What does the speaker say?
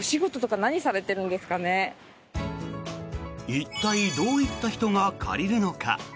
一体どういった人が借りるのか？